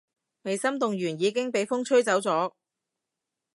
未心動完已經畀風吹走咗